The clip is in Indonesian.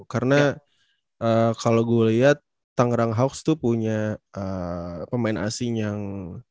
karena kalau gue lihat tangerang hawks itu punya pemain asing yang